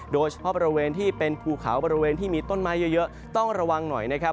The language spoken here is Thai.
โดยเฉพาะบริเวณที่เป็นภูเขาบริเวณที่มีต้นไม้เยอะต้องระวังหน่อยนะครับ